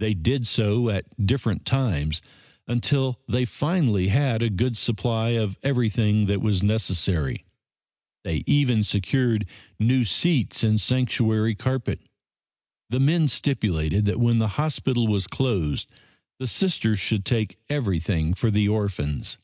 They did so at different times until they finally had a good supply of everything that was necessary. They even secured new seats and sanctuary carpet. The men stipulated that when the hospital was closed the Sisters should take everything for the orphans.